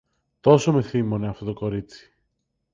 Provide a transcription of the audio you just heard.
Τόσο με θύμωνε αυτό το κορίτσι.